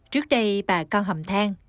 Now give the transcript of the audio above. trước đây bà con hầm thang